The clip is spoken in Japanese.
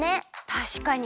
たしかに。